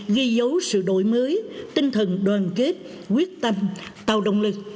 ghi dấu sự đổi mới tinh thần đoàn kết quyết tâm tạo động lực